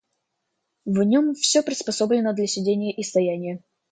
В нем всё приспособлено для сидения и стояния.